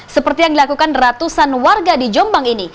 seperti yang dilakukan ratusan warga di jombang ini